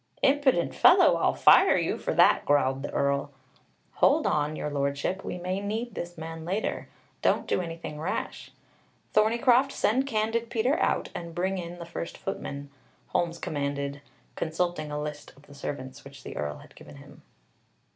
"Impudent fellow! I'll fire you for that," growled the Earl. "Hold on, Your Lordship, we may need this man later. Don't do anything rash. Thorneycroft, send candid Peter out, and bring in the first footman," Holmes commanded, consulting a list of the servants, which the Earl had given him.